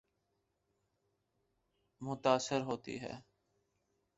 متاثر ہوتی ہے۔